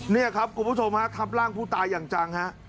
นี่ครับคุณผู้ชมฮะทับร่างผู้ตายอย่างจังฮะ